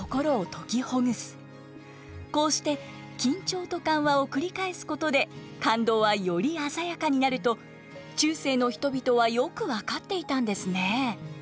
こうして緊張と緩和を繰り返すことで感動はより鮮やかになると中世の人々はよく分かっていたんですね。